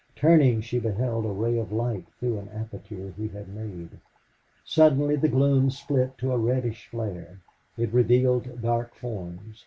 Turning, she beheld a ray of light through an aperture he had made. Suddenly the gloom split to a reddish flare. It revealed dark forms.